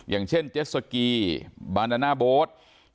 อย่างเช่นเจ็ดสกีบานาน่าโบ๊ท